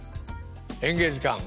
「演芸図鑑」